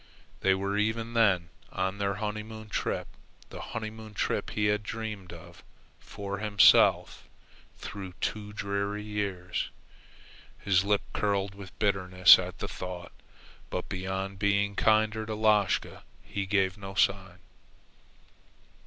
They were even then on their honeymoon trip the honeymoon trip he had dreamed of for himself through two dreary years. His lip curled with bitterness at the thought; but beyond being kinder to Lashka he gave no sign.